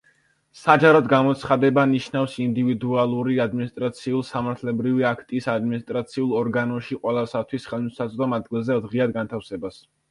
საჯაროდ გამოცხადება ნიშნავს ინდივიდუალური ადმინისტრაციულ-სამართლებრივი აქტის ადმინისტრაციულ ორგანოში ყველასათვის ხელმისაწვდომ ადგილზე, ღიად განთავსებას.